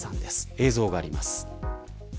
映像があります。